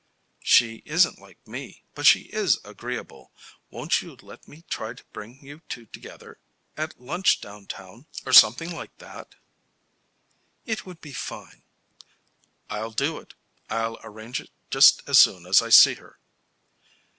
"She isn't like me, but she is agreeable. Won't you let me try to bring you two together at lunch down town, or something like that?" "It would be fine." "I'll do it. I'll arrange it just as soon as I see her."